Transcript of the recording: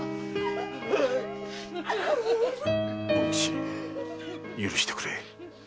文吉許してくれ。